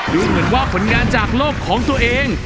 ดูเหมือนว่าผลงานจากโลกของตัวเอง